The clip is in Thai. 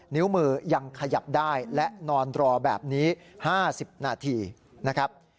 นิ้วมือยังขยับได้และนอนรอแบบนี้๕๐นาทีนะครับ